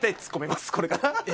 これから。